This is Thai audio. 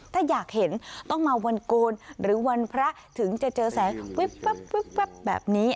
ถ้าอยากเห็นต้องมาวันโกนหรือวันพระถึงจะเจอแสงวิบแบบนี้